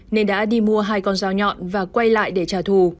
nên đã đi mua hai con dao nhọn và quay lại để trả thù